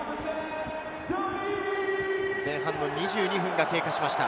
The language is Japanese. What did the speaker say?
前半２２分が経過しました。